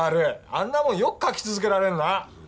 あんなもんよく書き続けられるな。